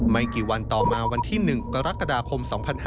ไม่กี่วันต่อมาวันที่๑กรกฎาคม๒๕๕๙